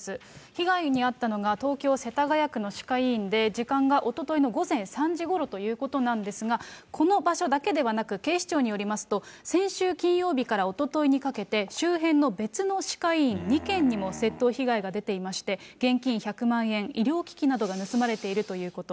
被害に遭ったのが、東京・世田谷区の歯科医院で、時間がおとといの午前３時ごろということなんですが、この場所だけではなく、警視庁によりますと、先週金曜日からおとといにかけて、周辺の別の歯科医院２件にも窃盗被害が出ていまして、現金１００万円、医療機器などが盗まれているということ。